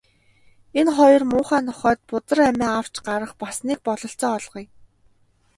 Энэ хоёр муухай нохойд бузар амиа авч гарах бас нэг бололцоо олгоё.